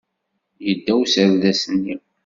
Yedda userdas-nni.